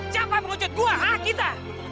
siapa pengecut gue kita